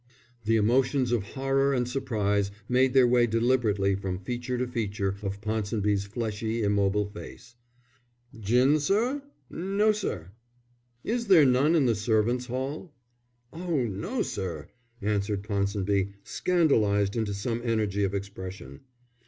The emotions of horror and surprise made their way deliberately from feature to feature of Ponsonby's fleshy, immobile face. "Gin, sir? No, sir." "Is there none in the servants' hall?" "Oh no, sir!" answered Ponsonby, scandalized into some energy of expression.